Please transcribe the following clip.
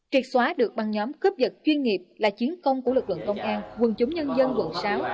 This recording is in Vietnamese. triệt xóa được băng nhóm cướp dật chuyên nghiệp là chiến công của lực lượng công an quân chúng nhân dân quận sáu